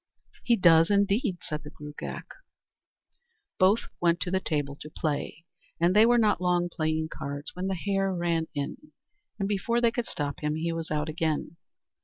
"He does indeed," said the Gruagach. Both went to the table to play, and they were not long playing cards when the hare ran in; and before they could stop him he was out again.